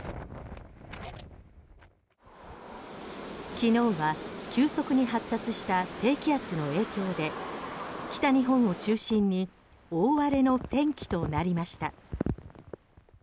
昨日は急速に発達した低気圧の影響で北日本を中心に大荒れの天気となりました。